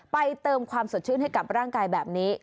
เติมความสดชื่นให้กับร่างกายแบบนี้